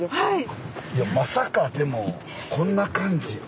いやまさかでもこんな感じ？